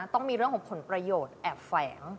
ต้องมีเรื่องของผลประโยชน์แอบแฝง